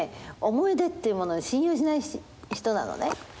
思い出っていうものを信用しない人なのね。